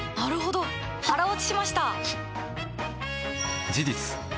腹落ちしました！